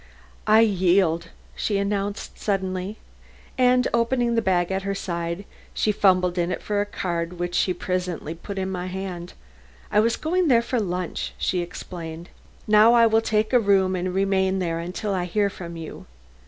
"I yield," she announced suddenly. And opening the bag at her side, she fumbled in it for a card which she presently put in my hand. "I was going there for lunch," she explained. "Now I will take a room and remain until I hear from you."